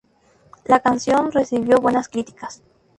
La canción recibió buenas críticas.